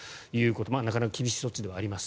なかなか厳しい措置ではあります。